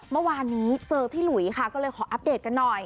เมื่อวานนี้เจอพี่หลุยค่ะก็เลยขออัปเดตกันหน่อย